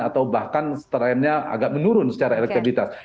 atau bahkan seterainya agak menurun secara elektriks